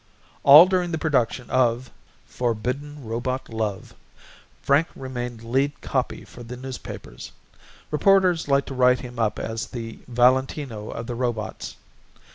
All during the production of Forbidden Robot Love Frank remained lead copy for the newspapers. Reporters liked to write him up as the Valentino of the Robots.